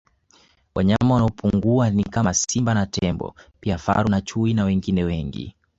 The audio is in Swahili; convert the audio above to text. Wanyama wanaopungua ni kama Simba na Tembo pia Faru na Chui na wengine wengi